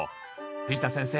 藤田先生